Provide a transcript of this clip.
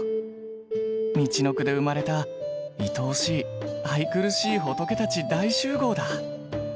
みちのくで生まれたいとおしい愛くるしい仏たち大集合だ。